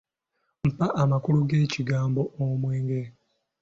Mpa amakulu g’ekigambo "omwenge".